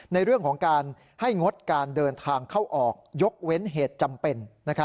ในเรื่องของการให้งดการเดินทางเข้าออกยกเว้นเหตุจำเป็น